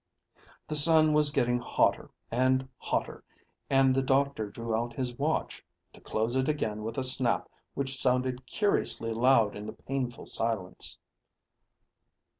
The sun was getting hotter and hotter, and the doctor drew out his watch, to close it again with a snap which sounded curiously loud in the painful silence.